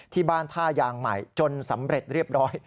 ท่ายางใหม่จนสำเร็จเรียบร้อย